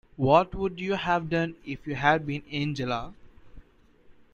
What would you have done if you had been Angela?